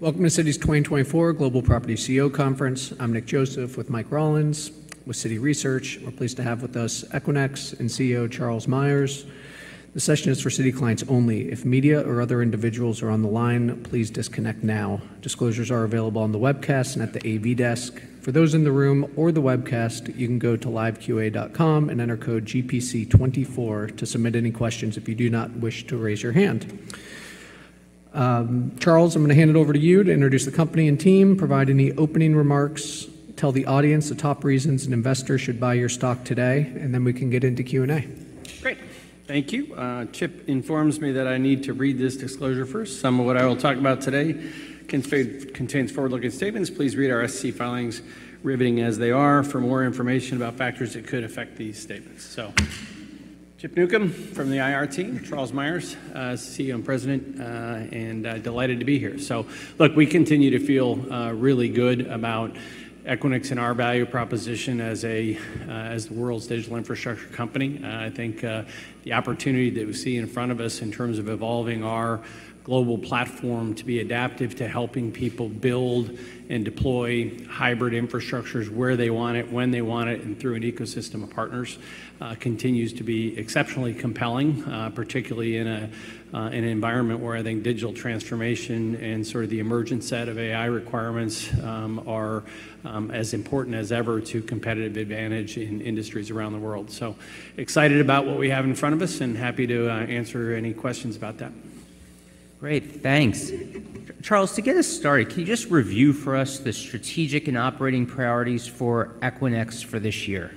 Welcome to Citi's 2024 Global Property CEO Conference. I'm Nick Joseph with Mike Rollins. With Citi Research, we're pleased to have with us Equinix and CEO Charles Meyers. The session is for Citi clients only. If media or other individuals are on the line, please disconnect now. Disclosures are available on the webcast and at the AV desk. For those in the room or the webcast, you can go to liveqa.com and enter code GPC24 to submit any questions if you do not wish to raise your hand. Charles, I'm going to hand it over to you to introduce the company and team. Provide any opening remarks. Tell the audience the top reasons an investor should buy your stock today, and then we can get into Q&A. Great. Thank you. Chip informs me that I need to read this disclosure first. Some of what I will talk about today contains forward-looking statements. Please read our SEC filings, riveting as they are, for more information about factors that could affect these statements. So Chip Newcom from the IR team, Charles Meyers, CEO and President, and delighted to be here. So look, we continue to feel really good about Equinix and our value proposition as the world's digital infrastructure company. I think the opportunity that we see in front of us in terms of evolving our global platform to be adaptive to helping people build and deploy hybrid infrastructures where they want it, when they want it, and through an ecosystem of partners continues to be exceptionally compelling, particularly in an environment where I think digital transformation and sort of the emergent set of AI requirements are as important as ever to competitive advantage in industries around the world. So excited about what we have in front of us and happy to answer any questions about that. Great. Thanks. Charles, to get us started, can you just review for us the strategic and operating priorities for Equinix for this year?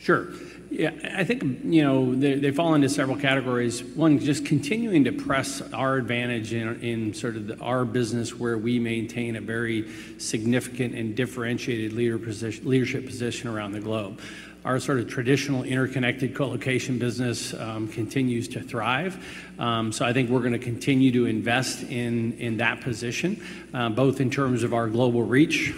Sure. Yeah, I think they fall into several categories. One, just continuing to press our advantage in sort of our business where we maintain a very significant and differentiated leadership position around the globe. Our sort of traditional interconnected colocation business continues to thrive. So I think we're going to continue to invest in that position, both in terms of our global reach.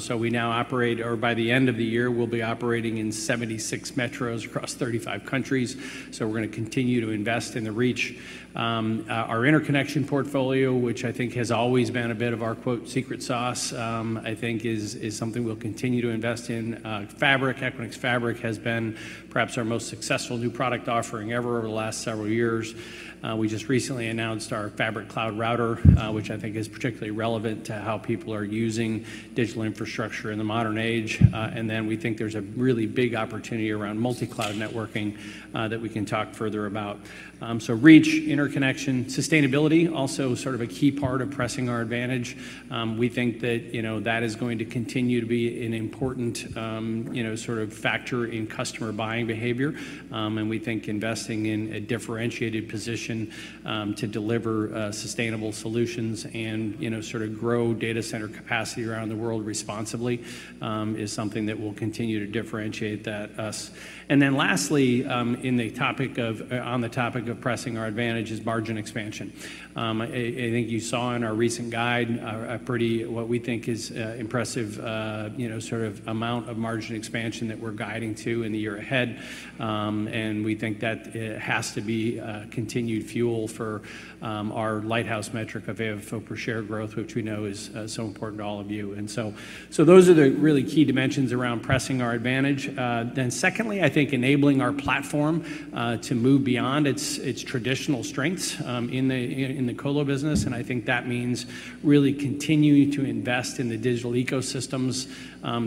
So we now operate or by the end of the year, we'll be operating in 76 metros across 35 countries. So we're going to continue to invest in the reach. Our interconnection portfolio, which I think has always been a bit of our "secret sauce," I think is something we'll continue to invest in. Fabric, Equinix Fabric, has been perhaps our most successful new product offering ever over the last several years. We just recently announced our Fabric Cloud Router, which I think is particularly relevant to how people are using digital infrastructure in the modern age. And then we think there's a really big opportunity around multi-cloud networking that we can talk further about. So reach, interconnection, sustainability, also sort of a key part of pressing our advantage. We think that that is going to continue to be an important sort of factor in customer buying behavior. And we think investing in a differentiated position to deliver sustainable solutions and sort of grow data center capacity around the world responsibly is something that will continue to differentiate us. And then lastly, on the topic of pressing our advantage is margin expansion. I think you saw in our recent guide a pretty what we think is impressive sort of amount of margin expansion that we're guiding to in the year ahead. And we think that has to be continued fuel for our lighthouse metric of AFFO per share growth, which we know is so important to all of you. And so those are the really key dimensions around pressing our advantage. Then secondly, I think enabling our platform to move beyond its traditional strengths in the colo business. And I think that means really continuing to invest in the digital ecosystems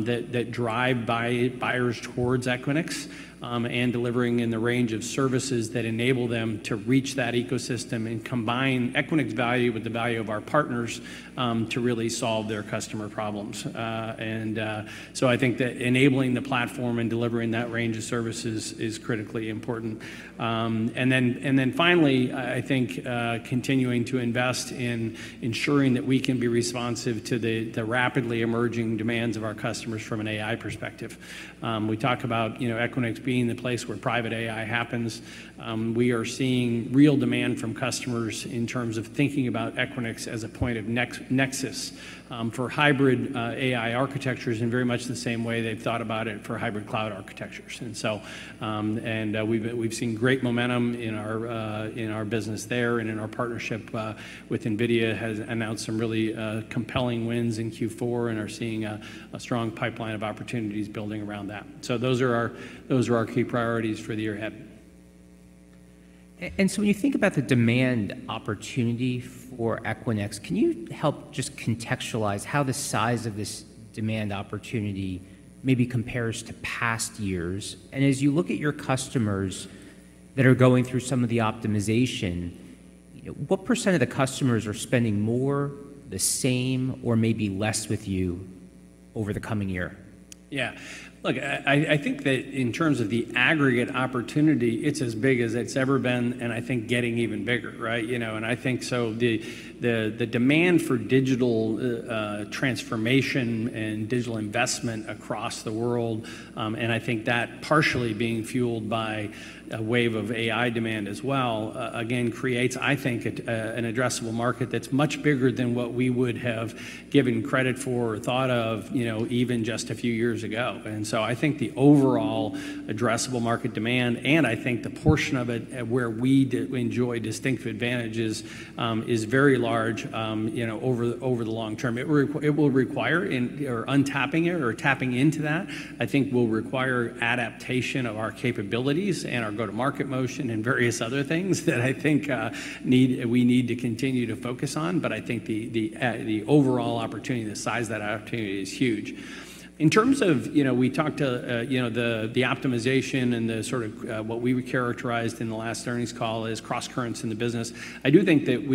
that drive buyers towards Equinix and delivering in the range of services that enable them to reach that ecosystem and combine Equinix value with the value of our partners to really solve their customer problems. And so I think that enabling the platform and delivering that range of services is critically important. And then finally, I think continuing to invest in ensuring that we can be responsive to the rapidly emerging demands of our customers from an AI perspective. We talk about Equinix being the place where private AI happens. We are seeing real demand from customers in terms of thinking about Equinix as a point of nexus for hybrid AI architectures in very much the same way they've thought about it for hybrid cloud architectures. We've seen great momentum in our business there. Then our partnership with NVIDIA has announced some really compelling wins in Q4 and are seeing a strong pipeline of opportunities building around that. Those are our key priorities for the year ahead. So when you think about the demand opportunity for Equinix, can you help just contextualize how the size of this demand opportunity maybe compares to past years? As you look at your customers that are going through some of the optimization, what percent of the customers are spending more, the same, or maybe less with you over the coming year? Yeah. Look, I think that in terms of the aggregate opportunity, it's as big as it's ever been and I think getting even bigger, right? And I think so the demand for digital transformation and digital investment across the world, and I think that partially being fueled by a wave of AI demand as well, again, creates, I think, an addressable market that's much bigger than what we would have given credit for or thought of even just a few years ago. And so I think the overall addressable market demand, and I think the portion of it where we enjoy distinct advantages, is very large over the long term. It will require untapping it or tapping into that, I think will require adaptation of our capabilities and our go-to-market motion and various other things that I think we need to continue to focus on. But I think the overall opportunity, the size of that opportunity, is huge. In terms of we talked to the optimization and the sort of what we characterized in the last earnings call as cross-currents in the business. I do think that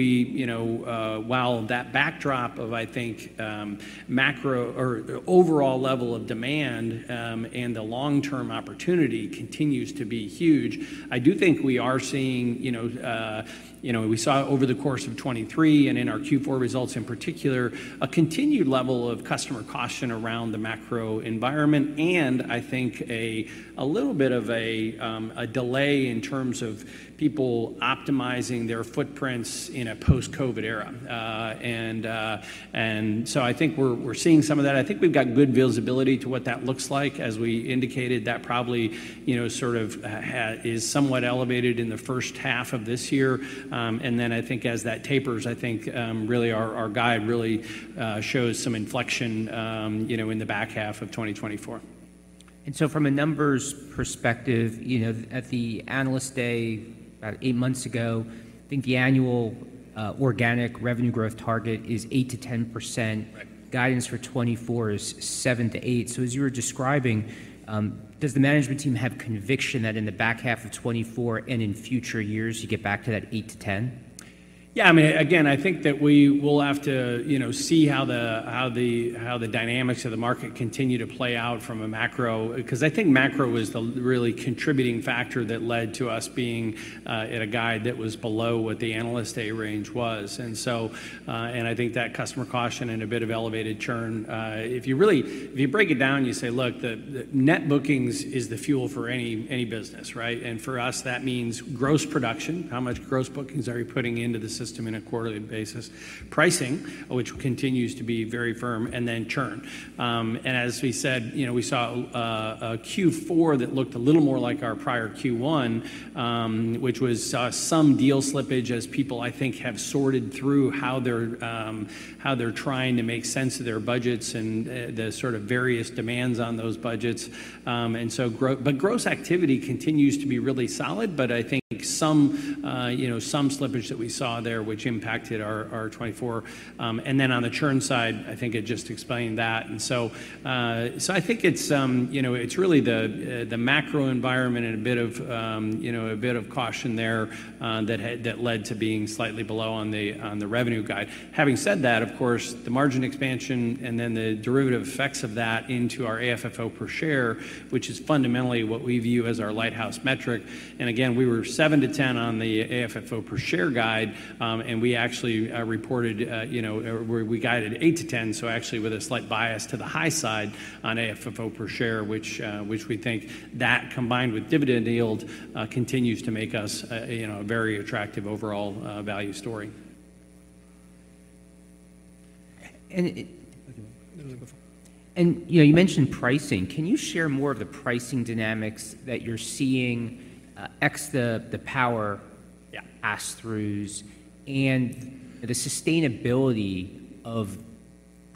while that backdrop of, I think, macro or overall level of demand and the long-term opportunity continues to be huge, I do think we are seeing we saw over the course of 2023 and in our Q4 results in particular, a continued level of customer caution around the macro environment and I think a little bit of a delay in terms of people optimizing their footprints in a post-COVID era. And so I think we're seeing some of that. I think we've got good visibility to what that looks like. As we indicated, that probably sort of is somewhat elevated in the first half of this year. And then I think as that tapers, I think really our guide really shows some inflection in the back half of 2024. So from a numbers perspective, at the analyst day about eight months ago, I think the annual organic revenue growth target is 8%-10%. Guidance for 2024 is 7%-8%. So as you were describing, does the management team have conviction that in the back half of 2024 and in future years, you get back to that 8%-10%? Yeah. I mean, again, I think that we will have to see how the dynamics of the market continue to play out from a macro because I think macro was the really contributing factor that led to us being at a guide that was below what the analyst day range was. And I think that customer caution and a bit of elevated churn, if you break it down, you say, "Look, the net bookings is the fuel for any business," right? And for us, that means gross production, how much gross bookings are you putting into the system on a quarterly basis, pricing, which continues to be very firm, and then churn. And as we said, we saw a Q4 that looked a little more like our prior Q1, which was some deal slippage as people, I think, have sorted through how they're trying to make sense of their budgets and the sort of various demands on those budgets. But gross activity continues to be really solid. But I think some slippage that we saw there, which impacted our 2024, and then on the churn side, I think it just explained that. And so I think it's really the macro environment and a bit of caution there that led to being slightly below on the revenue guide. Having said that, of course, the margin expansion and then the derivative effects of that into our AFFO per share, which is fundamentally what we view as our lighthouse metric. And again, we were $7-$10 on the AFFO per share guide. We actually reported we guided $8-$10. Actually with a slight bias to the high side on AFFO per share, which we think that combined with dividend yield continues to make us a very attractive overall value story. You mentioned pricing. Can you share more of the pricing dynamics that you're seeing ex the power pass-throughs and the sustainability of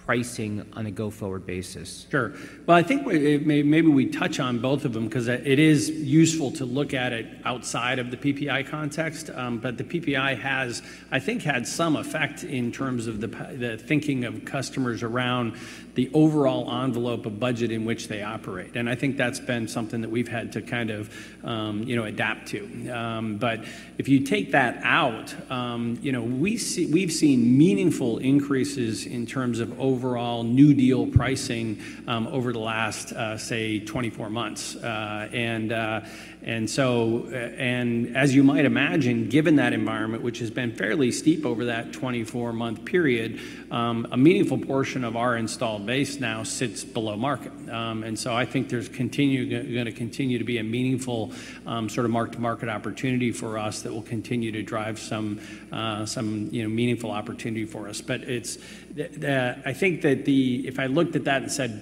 pricing on a go-forward basis? Sure. Well, I think maybe we touch on both of them because it is useful to look at it outside of the PPI context. But the PPI has, I think, had some effect in terms of the thinking of customers around the overall envelope of budget in which they operate. And I think that's been something that we've had to kind of adapt to. But if you take that out, we've seen meaningful increases in terms of overall new deal pricing over the last, say, 24 months. And as you might imagine, given that environment, which has been fairly steep over that 24-month period, a meaningful portion of our installed base now sits below market. And so I think there's going to continue to be a meaningful sort of mark-to-market opportunity for us that will continue to drive some meaningful opportunity for us. But I think that if I looked at that and said,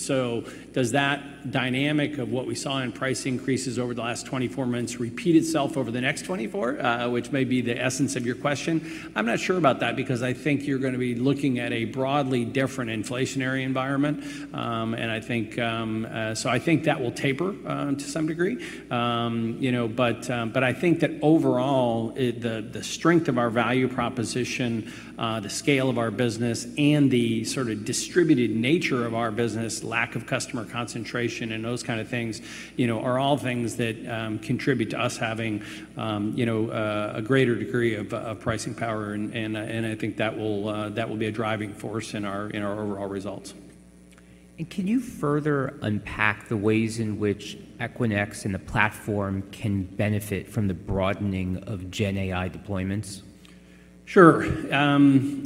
"So does that dynamic of what we saw in price increases over the last 24 months repeat itself over the next 24?" which may be the essence of your question, I'm not sure about that because I think you're going to be looking at a broadly different inflationary environment. And so I think that will taper to some degree. But I think that overall, the strength of our value proposition, the scale of our business, and the sort of distributed nature of our business, lack of customer concentration, and those kind of things are all things that contribute to us having a greater degree of pricing power. And I think that will be a driving force in our overall results. Can you further unpack the ways in which Equinix and the platform can benefit from the broadening of GenAI deployments? Sure.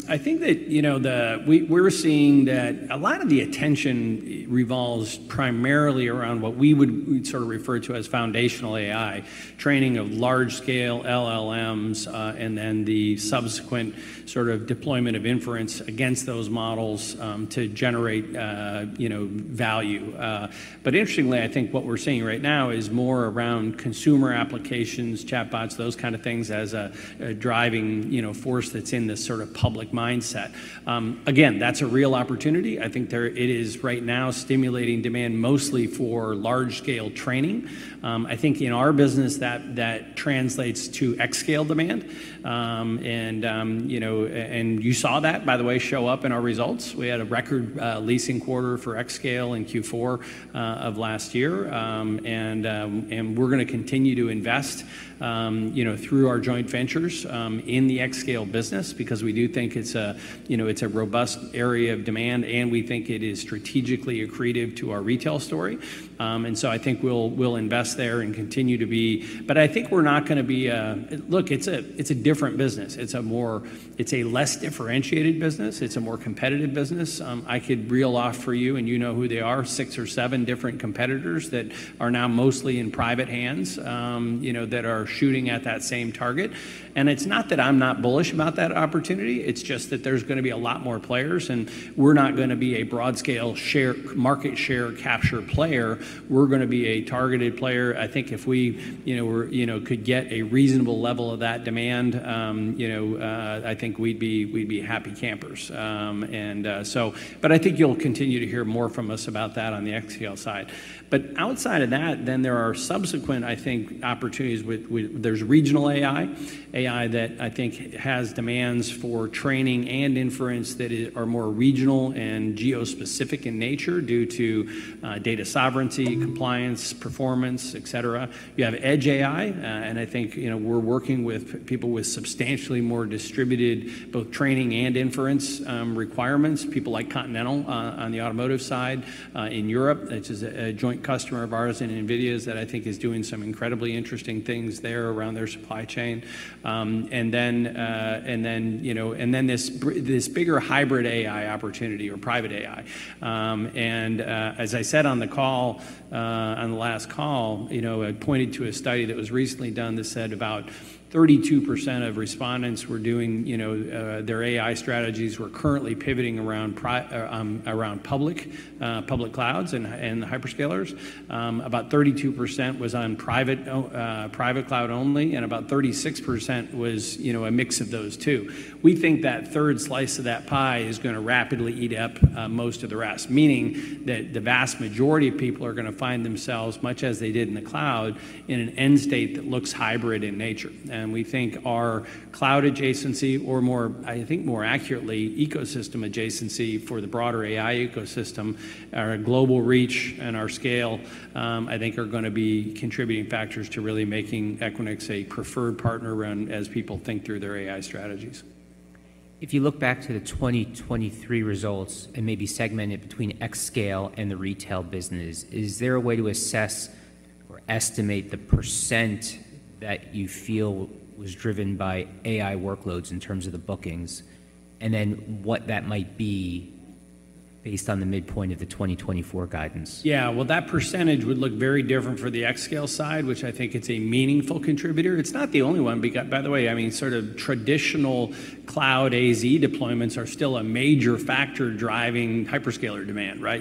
I think that we're seeing that a lot of the attention revolves primarily around what we would sort of refer to as foundational AI, training of large-scale LLMs, and then the subsequent sort of deployment of inference against those models to generate value. But interestingly, I think what we're seeing right now is more around consumer applications, chatbots, those kind of things as a driving force that's in this sort of public mindset. Again, that's a real opportunity. I think it is right now stimulating demand mostly for large-scale training. I think in our business, that translates to xScale demand. And you saw that, by the way, show up in our results. We had a record leasing quarter for xScale in Q4 of last year. And we're going to continue to invest through our joint ventures in the xScale business because we do think it's a robust area of demand. And we think it is strategically accretive to our retail story. And so I think we'll invest there and continue to be. But I think we're not going to be, look, it's a different business. It's a less differentiated business. It's a more competitive business. I could reel off for you, and you know who they are, six or seven different competitors that are now mostly in private hands that are shooting at that same target. And it's not that I'm not bullish about that opportunity. It's just that there's going to be a lot more players. And we're not going to be a broad-scale market share capture player. We're going to be a targeted player. I think if we could get a reasonable level of that demand, I think we'd be happy campers. But I think you'll continue to hear more from us about that on the xScale side. But outside of that, then there are subsequent, I think, opportunities. There's regional AI, AI that I think has demands for training and inference that are more regional and geo-specific in nature due to data sovereignty, compliance, performance, etc. You have edge AI. And I think we're working with people with substantially more distributed both training and inference requirements, people like Continental on the automotive side in Europe, which is a joint customer of ours and NVIDIA's that I think is doing some incredibly interesting things there around their supply chain. And then this bigger hybrid AI opportunity or private AI. As I said on the call, on the last call, I pointed to a study that was recently done that said about 32% of respondents were doing their AI strategies were currently pivoting around public clouds and hyperscalers. About 32% was on private cloud only. And about 36% was a mix of those two. We think that third slice of that pie is going to rapidly eat up most of the rest, meaning that the vast majority of people are going to find themselves, much as they did in the cloud, in an end state that looks hybrid in nature. And we think our cloud adjacency or, I think more accurately, ecosystem adjacency for the broader AI ecosystem, our global reach and our scale, I think are going to be contributing factors to really making Equinix a preferred partner as people think through their AI strategies. If you look back to the 2023 results and maybe segment it between xScale and the retail business, is there a way to assess or estimate the percent that you feel was driven by AI workloads in terms of the bookings and then what that might be based on the midpoint of the 2024 guidance? Yeah. Well, that percentage would look very different for the xScale side, which I think it's a meaningful contributor. It's not the only one. By the way, I mean, sort of traditional cloud AZ deployments are still a major factor driving hyperscaler demand, right?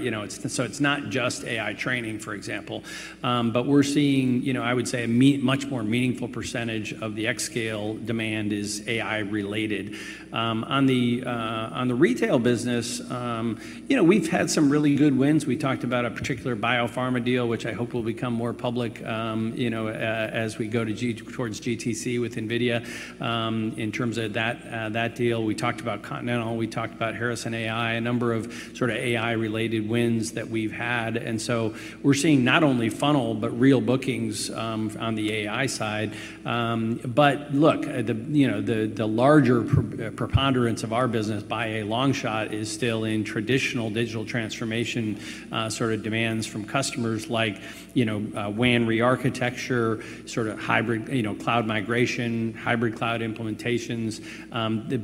So it's not just AI training, for example. But we're seeing, I would say, a much more meaningful percentage of the xScale demand is AI-related. On the retail business, we've had some really good wins. We talked about a particular biopharma deal, which I hope will become more public as we go towards GTC with NVIDIA in terms of that deal. We talked about Continental. We talked about harrison.ai, a number of sort of AI-related wins that we've had. And so we're seeing not only funnel but real bookings on the AI side. But look, the larger preponderance of our business by a long shot is still in traditional digital transformation sort of demands from customers like WAN rearchitecture, sort of hybrid cloud migration, hybrid cloud implementations.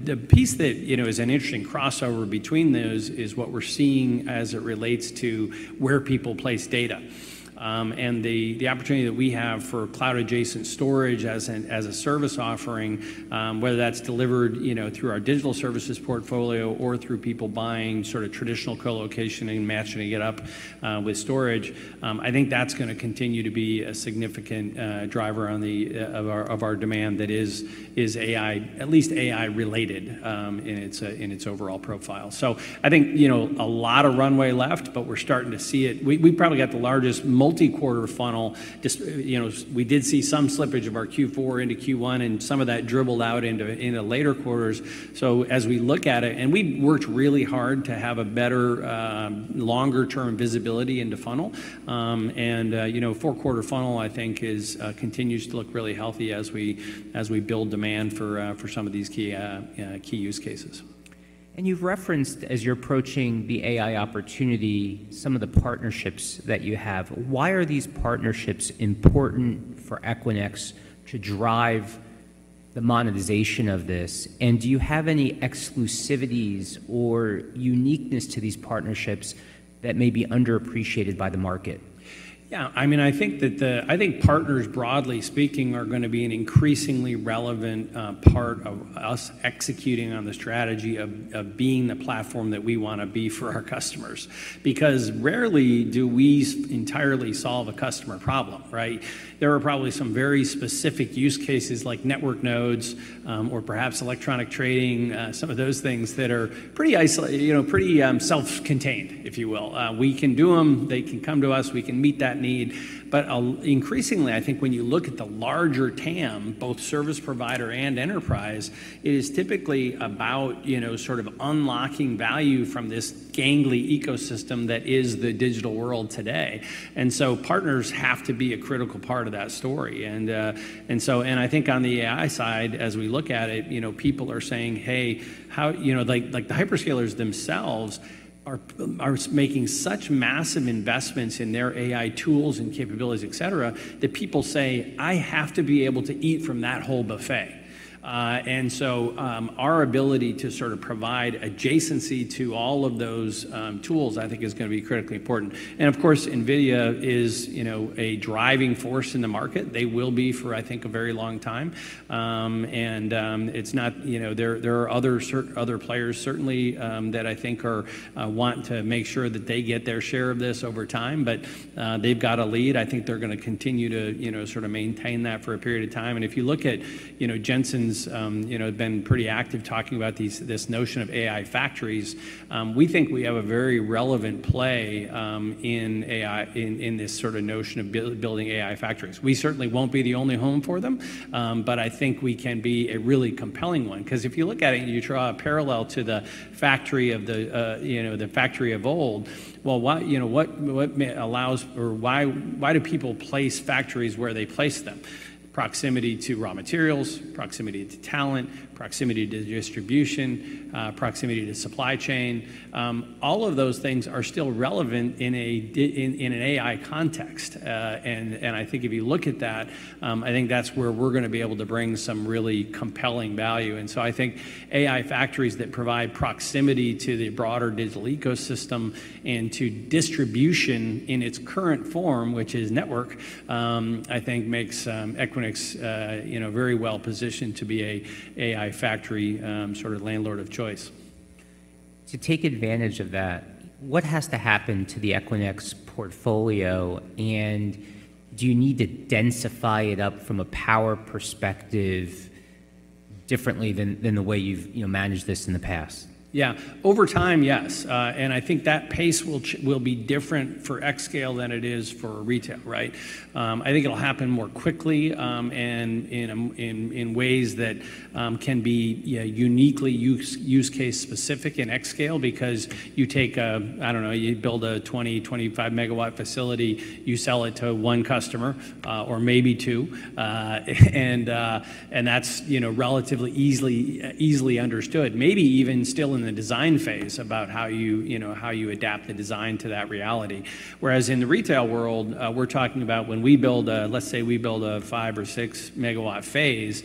The piece that is an interesting crossover between those is what we're seeing as it relates to where people place data. The opportunity that we have for cloud-adjacent storage as a service offering, whether that's delivered through our digital services portfolio or through people buying sort of traditional colocation and matching it up with storage, I think that's going to continue to be a significant driver of our demand that is at least AI-related in its overall profile. So I think a lot of runway left, but we're starting to see it. We probably got the largest multi-quarter funnel. We did see some slippage of our Q4 into Q1, and some of that dribbled out into later quarters. So as we look at it, and we've worked really hard to have a better, longer-term visibility into funnel. And four-quarter funnel, I think, continues to look really healthy as we build demand for some of these key use cases. You've referenced, as you're approaching the AI opportunity, some of the partnerships that you have. Why are these partnerships important for Equinix to drive the monetization of this? And do you have any exclusivities or uniqueness to these partnerships that may be underappreciated by the market? Yeah. I mean, I think partners, broadly speaking, are going to be an increasingly relevant part of us executing on the strategy of being the platform that we want to be for our customers because rarely do we entirely solve a customer problem, right? There are probably some very specific use cases like network nodes or perhaps electronic trading, some of those things that are pretty self-contained, if you will. We can do them. They can come to us. We can meet that need. But increasingly, I think when you look at the larger TAM, both service provider and enterprise, it is typically about sort of unlocking value from this gangly ecosystem that is the digital world today. And so partners have to be a critical part of that story. I think on the AI side, as we look at it, people are saying, "Hey," like the hyperscalers themselves are making such massive investments in their AI tools and capabilities, etc., that people say, "I have to be able to eat from that whole buffet." And so our ability to sort of provide adjacency to all of those tools, I think, is going to be critically important. And of course, NVIDIA is a driving force in the market. They will be for, I think, a very long time. And there are other players certainly that I think want to make sure that they get their share of this over time. But they've got a lead. I think they're going to continue to sort of maintain that for a period of time. And if you look at Jensen's been pretty active talking about this notion of AI factories, we think we have a very relevant play in this sort of notion of building AI factories. We certainly won't be the only home for them. But I think we can be a really compelling one because if you look at it and you draw a parallel to the factory of the old, well, what allows or why do people place factories where they place them? Proximity to raw materials, proximity to talent, proximity to distribution, proximity to supply chain. All of those things are still relevant in an AI context. And I think if you look at that, I think that's where we're going to be able to bring some really compelling value. And so I think AI factories that provide proximity to the broader digital ecosystem and to distribution in its current form, which is network, I think makes Equinix very well positioned to be an AI factory sort of landlord of choice. To take advantage of that, what has to happen to the Equinix portfolio? Do you need to densify it up from a power perspective differently than the way you've managed this in the past? Yeah. Over time, yes. And I think that pace will be different for xScale than it is for retail, right? I think it'll happen more quickly and in ways that can be uniquely use case specific in xScale because you take, I don't know. You build a 20-25 MW facility. You sell it to one customer or maybe two. And that's relatively easily understood, maybe even still in the design phase about how you adapt the design to that reality. Whereas in the retail world, we're talking about when we build a, let's say we build a 5 MW or 6 MW phase,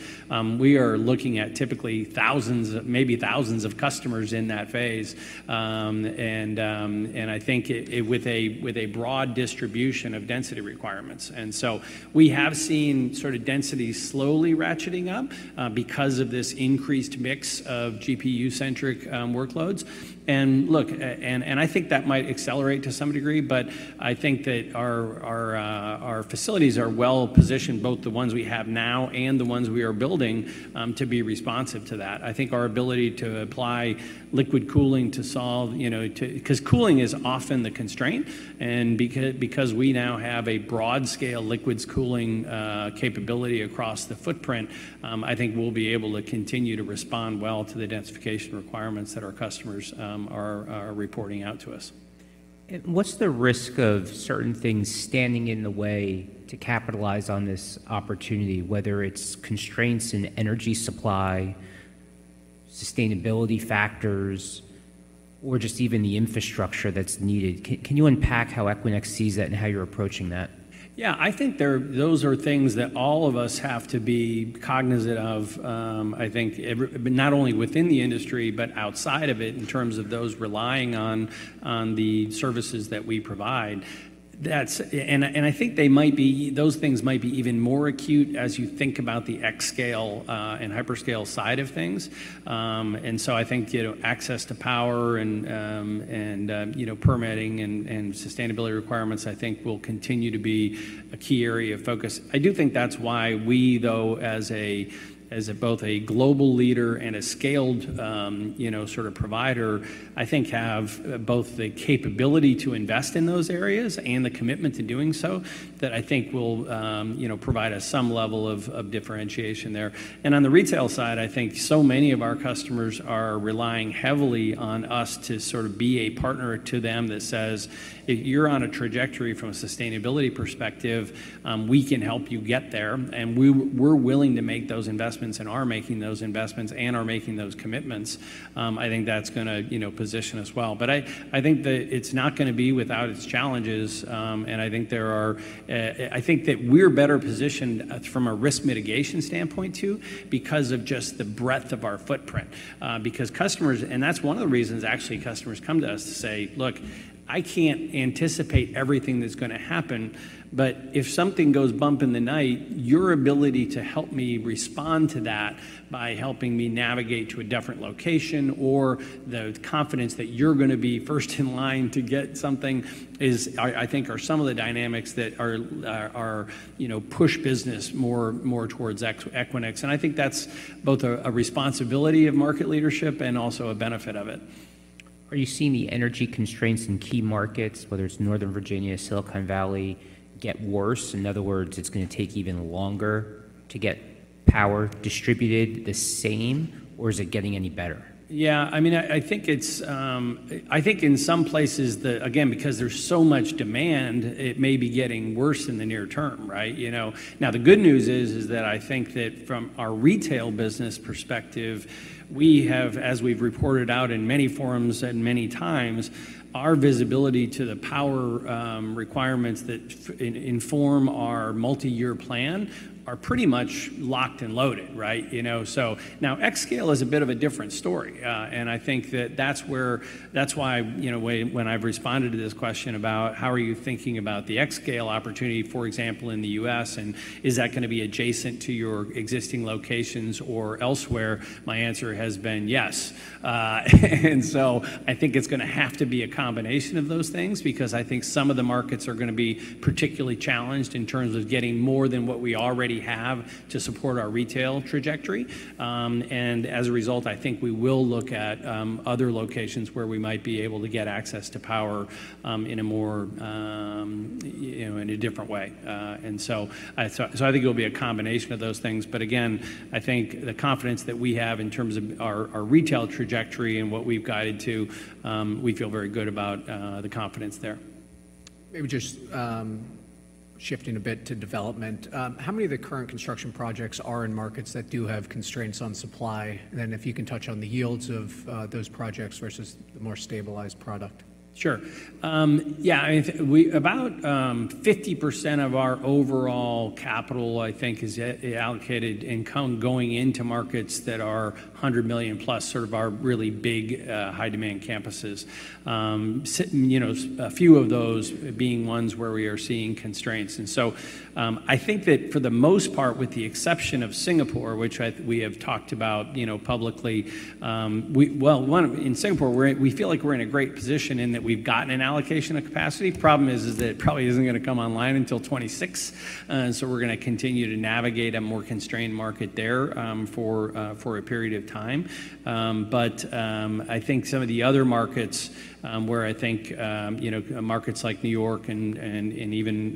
we are looking at typically thousands, maybe thousands of customers in that phase. And I think with a broad distribution of density requirements. And so we have seen sort of density slowly ratcheting up because of this increased mix of GPU-centric workloads. And look, and I think that might accelerate to some degree. But I think that our facilities are well positioned, both the ones we have now and the ones we are building, to be responsive to that. I think our ability to apply liquid cooling to solve because cooling is often the constraint. And because we now have a broad-scale liquids cooling capability across the footprint, I think we'll be able to continue to respond well to the densification requirements that our customers are reporting out to us. What's the risk of certain things standing in the way to capitalize on this opportunity, whether it's constraints in energy supply, sustainability factors, or just even the infrastructure that's needed? Can you unpack how Equinix sees that and how you're approaching that? Yeah. I think those are things that all of us have to be cognizant of, I think, not only within the industry but outside of it in terms of those relying on the services that we provide. And I think those things might be even more acute as you think about the xScale and hyperscale side of things. And so I think access to power and permitting and sustainability requirements, I think, will continue to be a key area of focus. I do think that's why we, though, as both a global leader and a scaled sort of provider, I think have both the capability to invest in those areas and the commitment to doing so that I think will provide us some level of differentiation there. And on the retail side, I think so many of our customers are relying heavily on us to sort of be a partner to them that says, "If you're on a trajectory from a sustainability perspective, we can help you get there. And we're willing to make those investments and are making those investments and are making those commitments." I think that's going to position us well. But I think that it's not going to be without its challenges. And I think that we're better positioned from a risk mitigation standpoint too because of just the breadth of our footprint because customers and that's one of the reasons, actually, customers come to us to say, "Look, I can't anticipate everything that's going to happen. If something goes bump in the night, your ability to help me respond to that by helping me navigate to a different location or the confidence that you're going to be first in line to get something is, I think, are some of the dynamics that are push business more towards Equinix. I think that's both a responsibility of market leadership and also a benefit of it. Are you seeing the energy constraints in key markets, whether it's Northern Virginia, Silicon Valley, get worse? In other words, it's going to take even longer to get power distributed the same, or is it getting any better? Yeah. I mean, I think in some places, again, because there's so much demand, it may be getting worse in the near term, right? Now, the good news is that I think that from our retail business perspective, we have, as we've reported out in many forums and many times, our visibility to the power requirements that inform our multi-year plan are pretty much locked and loaded, right? So now, xScale is a bit of a different story. And I think that that's why when I've responded to this question about how are you thinking about the xScale opportunity, for example, in the U.S., and is that going to be adjacent to your existing locations or elsewhere, my answer has been yes. And so I think it's going to have to be a combination of those things because I think some of the markets are going to be particularly challenged in terms of getting more than what we already have to support our retail trajectory. And as a result, I think we will look at other locations where we might be able to get access to power in a different way. And so I think it'll be a combination of those things. But again, I think the confidence that we have in terms of our retail trajectory and what we've got into we feel very good about the confidence there. Maybe just shifting a bit to development. How many of the current construction projects are in markets that do have constraints on supply? And then if you can touch on the yields of those projects versus the more stabilized product. Sure. Yeah. I mean, about 50% of our overall capital, I think, is allocated and going into markets that are 100 million+, sort of our really big high-demand campuses, a few of those being ones where we are seeing constraints. And so I think that for the most part, with the exception of Singapore, which we have talked about publicly well, in Singapore, we feel like we're in a great position in that we've gotten an allocation of capacity. Problem is that it probably isn't going to come online until 2026. And so we're going to continue to navigate a more constrained market there for a period of time. But I think some of the other markets where I think markets like New York and even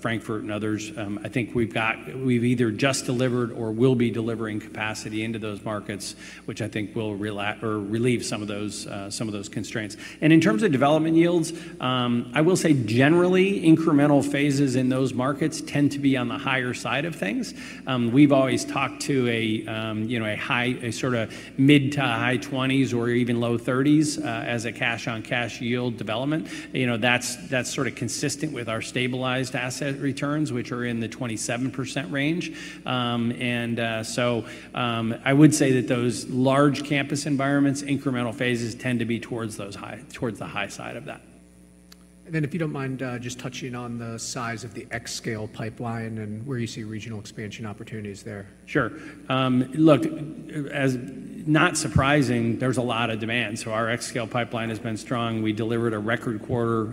Frankfurt and others, I think we've either just delivered or will be delivering capacity into those markets, which I think will relieve some of those constraints. And in terms of development yields, I will say generally, incremental phases in those markets tend to be on the higher side of things. We've always talked to a sort of mid to high-20s or even low 30s as a cash-on-cash yield development. That's sort of consistent with our stabilized asset returns, which are in the 27% range. And so I would say that those large campus environments, incremental phases tend to be towards the high side of that. And then if you don't mind just touching on the size of the xScale pipeline and where you see regional expansion opportunities there. Sure. Look, not surprising, there's a lot of demand. So our xScale pipeline has been strong. We delivered a record quarter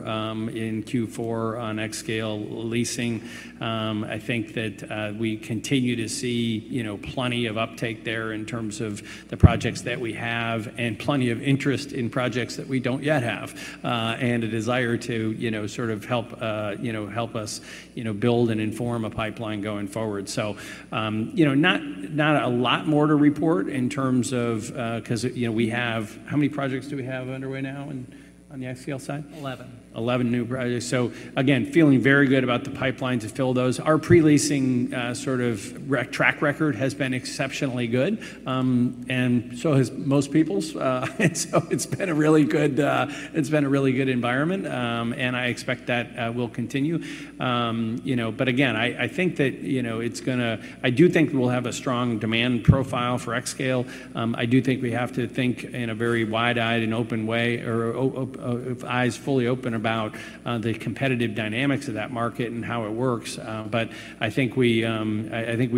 in Q4 on xScale leasing. I think that we continue to see plenty of uptake there in terms of the projects that we have and plenty of interest in projects that we don't yet have and a desire to sort of help us build and inform a pipeline going forward. So not a lot more to report in terms of because we have how many projects do we have underway now on the xScale side? 11. 11 new projects. So again, feeling very good about the pipeline to fill those. Our pre-leasing sort of track record has been exceptionally good. And so has most people's. And so it's been a really good environment. And I expect that will continue. But again, I think that I do think we'll have a strong demand profile for xScale. I do think we have to think in a very wide-eyed and open way or eyes fully open about the competitive dynamics of that market and how it works. But I think we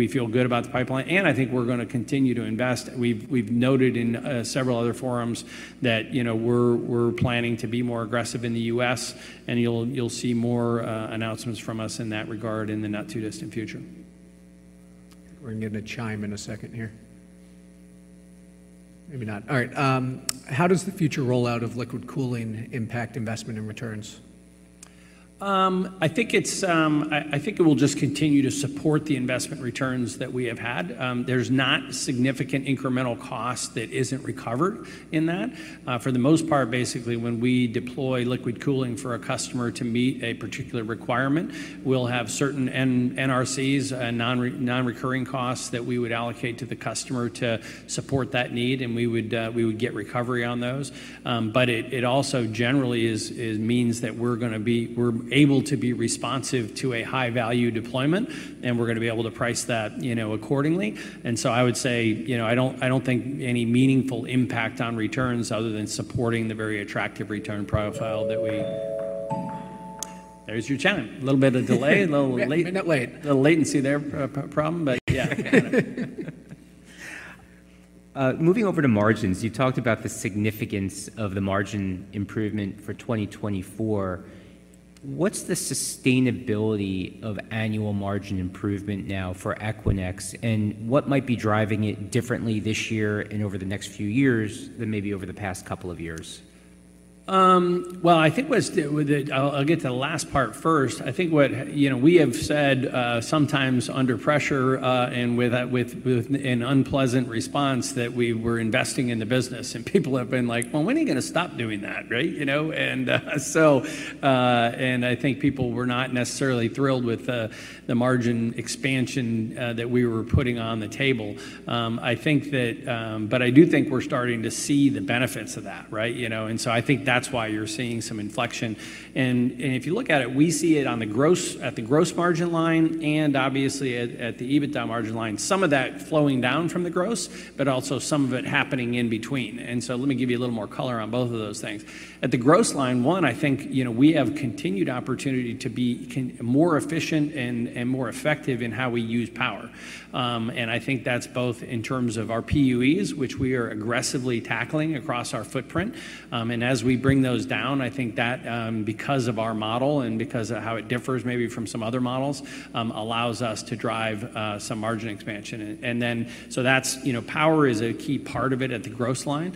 feel good about the pipeline. And I think we're going to continue to invest. We've noted in several other forums that we're planning to be more aggressive in the U.S. And you'll see more announcements from us in that regard in the not too distant future. We're going to chime in a second here. Maybe not. All right. How does the future rollout of liquid cooling impact investment and returns? I think it will just continue to support the investment returns that we have had. There's not significant incremental cost that isn't recovered in that. For the most part, basically, when we deploy liquid cooling for a customer to meet a particular requirement, we'll have certain NRCs, non-recurring costs that we would allocate to the customer to support that need. And we would get recovery on those. But it also generally means that we're going to be able to be responsive to a high-value deployment. And we're going to be able to price that accordingly. And so I would say I don't think any meaningful impact on returns other than supporting the very attractive return profile that we. There's your chime. A little bit of delay, a little late. Yeah. A minute late. A little latency there, problem. But yeah. Moving over to margins, you talked about the significance of the margin improvement for 2024. What's the sustainability of annual margin improvement now for Equinix? And what might be driving it differently this year and over the next few years than maybe over the past couple of years? Well, I think I'll get to the last part first. I think what we have said sometimes under pressure and with an unpleasant response that we were investing in the business. And people have been like, "Well, when are you going to stop doing that, right?" And I think people were not necessarily thrilled with the margin expansion that we were putting on the table. But I do think we're starting to see the benefits of that, right? And so I think that's why you're seeing some inflection. And if you look at it, we see it at the gross margin line and obviously at the EBITDA margin line, some of that flowing down from the gross but also some of it happening in between. And so let me give you a little more color on both of those things. At the gross line, I think we have continued opportunity to be more efficient and more effective in how we use power. I think that's both in terms of our PUEs, which we are aggressively tackling across our footprint. As we bring those down, I think that because of our model and because of how it differs maybe from some other models, allows us to drive some margin expansion. Then so power is a key part of it at the gross line.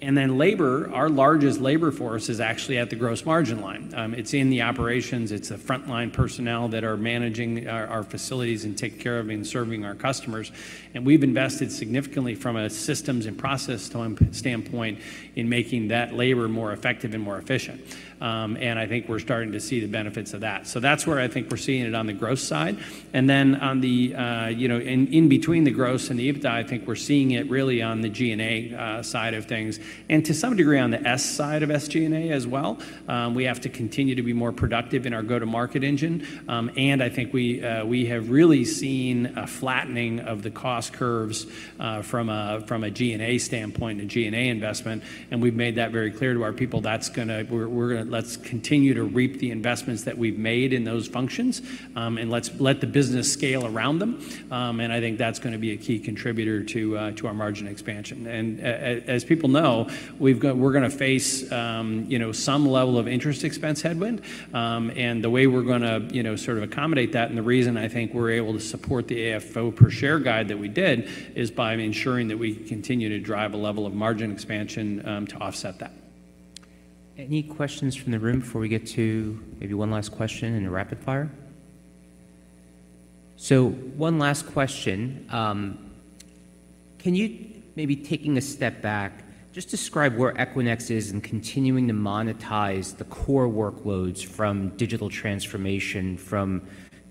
Then labor, our largest labor force is actually at the gross margin line. It's in the operations. It's the frontline personnel that are managing our facilities and taking care of and serving our customers. We've invested significantly from a systems and process standpoint in making that labor more effective and more efficient. I think we're starting to see the benefits of that. So that's where I think we're seeing it on the gross side. Then in between the gross and the EBITDA, I think we're seeing it really on the G&A side of things and to some degree on the S side of SG&A as well. We have to continue to be more productive in our go-to-market engine. I think we have really seen a flattening of the cost curves from a G&A standpoint, a G&A investment. We've made that very clear to our people. We're going to let's continue to reap the investments that we've made in those functions. Let's let the business scale around them. I think that's going to be a key contributor to our margin expansion. As people know, we're going to face some level of interest expense headwind. The way we're going to sort of accommodate that and the reason I think we're able to support the AFFO per share guide that we did is by ensuring that we continue to drive a level of margin expansion to offset that. Any questions from the room before we get to maybe one last question in a rapid fire? So one last question. Can you maybe taking a step back, just describe where Equinix is in continuing to monetize the core workloads from digital transformation from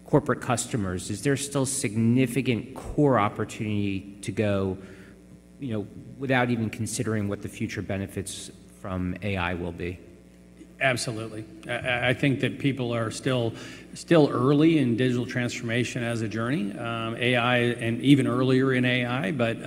corporate customers? Is there still significant core opportunity to go without even considering what the future benefits from AI will be? Absolutely. I think that people are still early in digital transformation as a journey, AI and even earlier in AI. But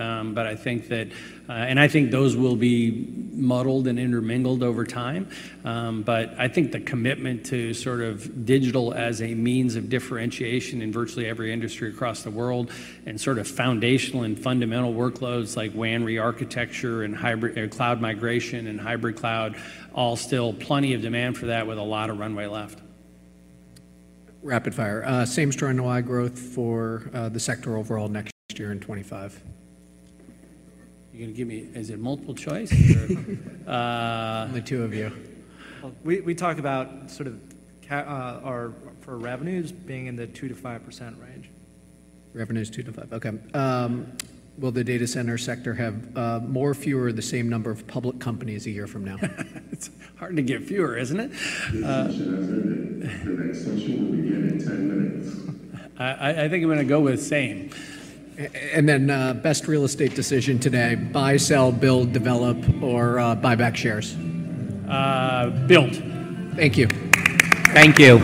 I think that and I think those will be muddled and intermingled over time. But I think the commitment to sort of digital as a means of differentiation in virtually every industry across the world and sort of foundational and fundamental workloads like WAN rearchitecture and cloud migration and hybrid cloud, all still plenty of demand for that with a lot of runway left. Rapid fire. Same story in NOI growth for the sector overall next year and 2025? You're going to give me, is it multiple choice? Only two of you. We talk about sort of for revenues being in the 2%-5% range. Revenues 2%-5%. Okay. Will the data center sector have more or fewer of the same number of public companies a year from now? It's hard to get fewer, isn't it? Good question. I've heard it. The next question will begin in 10 minutes. I think I'm going to go with same. And then, best real estate decision today: buy, sell, build, develop, or buy back shares? Build. Thank you. Thank you.